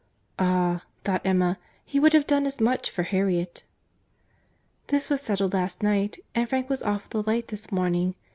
"Ah!" thought Emma, "he would have done as much for Harriet." "This was settled last night, and Frank was off with the light this morning.